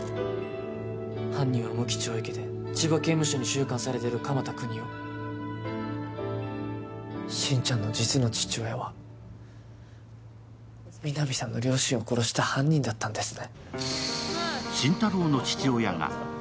犯人は無期懲役で千葉刑務所に収監されているかまたくにお、心ちゃんの実の父親は皆実さんの両親を殺した犯人だったんですね。